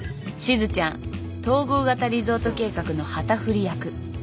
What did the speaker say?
しずちゃん統合型リゾート計画の旗振り役。